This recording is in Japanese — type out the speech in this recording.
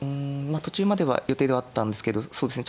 あ途中までは予定ではあったんですけどそうですね